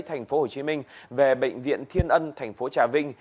thành phố hồ chí minh về bệnh viện thiên ân thành phố trà vinh